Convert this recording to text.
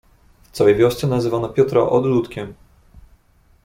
"W całej wiosce nazywano Piotra odludkiem."